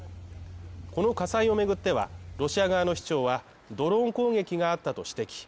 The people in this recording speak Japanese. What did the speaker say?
この火災を巡っては、ロシア側の市長は、ドローン攻撃があったと指摘。